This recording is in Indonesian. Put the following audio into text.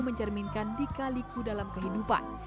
mencerminkan dikaliku dalam kehidupan